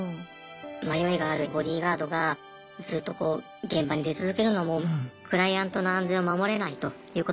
迷いがあるボディーガードがずっとこう現場に出続けるのもクライアントの安全を守れないということにつながります。